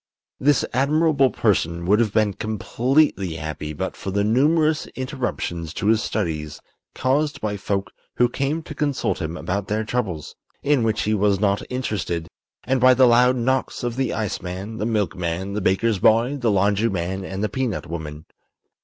This admirable person would have been completely happy but for the numerous interruptions to his studies caused by folk who came to consult him about their troubles (in which he was not interested), and by the loud knocks of the iceman, the milkman, the baker's boy, the laundryman and the peanut woman.